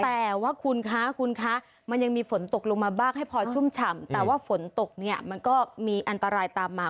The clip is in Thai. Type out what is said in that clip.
แต่ว่าคุณคะคุณคะมันยังมีฝนตกลงมาบ้างให้พอชุ่มฉ่ำแต่ว่าฝนตกเนี่ยมันก็มีอันตรายตามมา